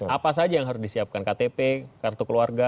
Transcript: apa saja yang harus disiapkan ktp kartu keluarga